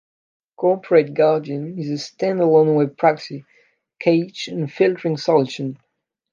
Corporate Guardian is a stand-alone web proxy, cache and filtering solution.